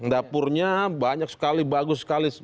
dapurnya banyak sekali bagus sekali